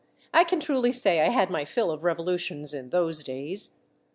I can truly say I had my fill of revolutions in those days.